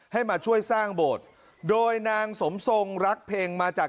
ให้มาช่วยสร้างโบสถ์โดยนางสมทรงรักเพลงมาจาก